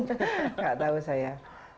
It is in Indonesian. nggak tahu saya